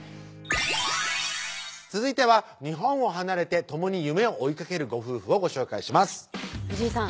続いては日本を離れて共に夢を追いかけるご夫婦をご紹介します藤井さん